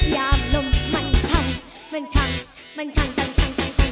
ย่อล่มมันชังมันชังมันชังชังชังชัง